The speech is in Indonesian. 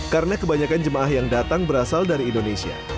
karena kebanyakan jemaah yang datang berasal dari indonesia